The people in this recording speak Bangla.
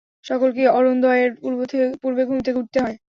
সকলকেই অরুণোদয়ের পূর্বে ঘুম থেকে উঠতে হয়।